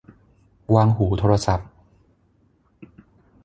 วางหูโทรศัพท์